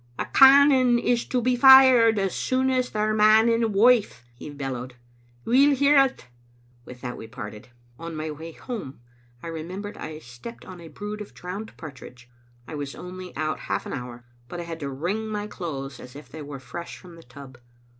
"A cannon is to be fired as soon as they're man and wife, " he bellowed. " We'll hear it. " With that we parted. On my way home, I remem ber, I stepped on a brood of drowned partridge. I was only out half an hour, but I had to wring my clothes as if they were fresh from the tub.